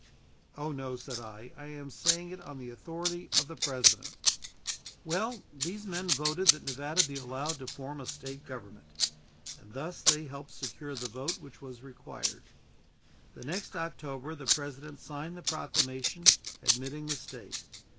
"Oh, no," said I; "I am saying it on the authority of the President." Well, these men voted that Nevada be allowed to form a State government, and thus they helped secure the vote which was required. The next October the President signed the proclamation admitting the State.